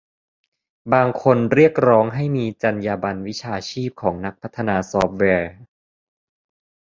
บางคนเรียกร้องให้มีจรรยาบรรณวิชาชีพของนักพัฒนาซอฟต์แวร์